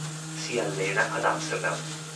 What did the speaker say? Si allena ad Amsterdam.